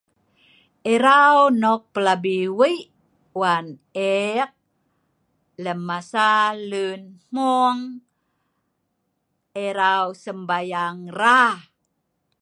Erau nok plabi' wei wan eek lem masa luen mmueng erau sembahyang rra'